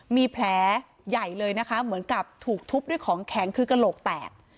มีแผลใหญ่เลยนะคะเหมือนกับถูกทุบด้วยของแข็งคือกระโหลกแตก